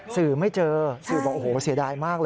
สื่อไม่เจอสื่อบอกโอ้โหเสียดายมากเลย